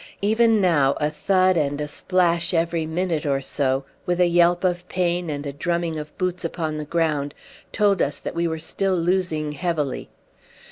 Even now a thud and a splash every minute or so, with a yelp of pain and a drumming of boots upon the ground, told us that we were still losing heavily.